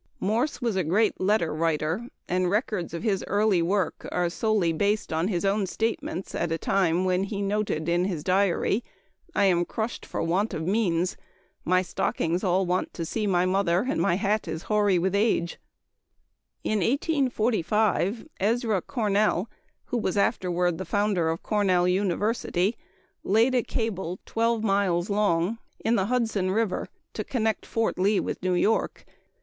Morse was a great letter writer, and records of his early work are solely based on his own statements at a time when he noted in his diary: "I am crushed for want of means. My stockings all want to see my mother, and my hat is hoary with age." In 1845 Ezra Cornell, who was afterward the founder of Cornell University, laid a cable, twelve miles long, to connect Fort Lee with New York, in the Hudson River.